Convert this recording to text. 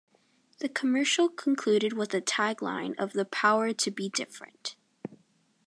The commercial concluded with a tagline of "the power to be different".